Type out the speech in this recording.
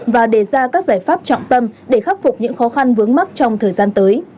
và đề ra các giải pháp trọng tâm để khắc phục những khó khăn vướng mắt trong thời gian tới